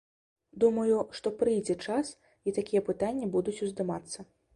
Думаю, што прыйдзе час, і такія пытанні будуць уздымацца.